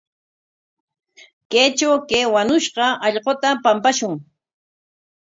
Kaytraw kay wañushqa allquta pampashun.